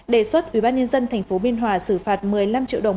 đề xuất ubnd tp biên hòa xử phạt một mươi năm triệu đồng